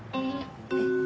えっ？